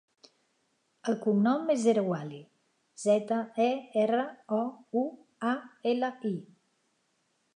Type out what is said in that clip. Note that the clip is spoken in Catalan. El cognom és Zerouali: zeta, e, erra, o, u, a, ela, i.